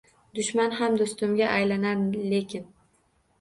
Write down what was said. Dushman ham dustimga aylanar lekin